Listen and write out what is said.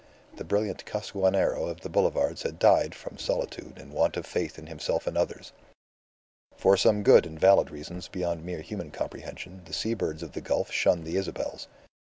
The brilliant Costaguanero of the boulevards had died from solitude and want of faith in himself and others. For some good and valid reasons beyond mere human comprehension, the sea birds of the gulf shun the Isabels.